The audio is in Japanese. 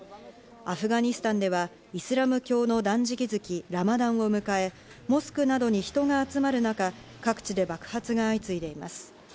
アフガニスタンではイスラム教の断食月、ラマダンを迎え、モスクなどに人が集まる中、各地で爆発が相次いでいます。